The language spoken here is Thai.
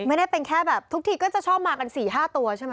ไม่ได้เป็นแค่แบบทุกทีก็จะชอบมากัน๔๕ตัวใช่ไหม